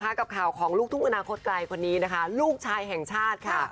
ข้ากับข่าวของลุกทุกขุนาคมครอสไกรคนนี้ลูกชายแห่งชาติ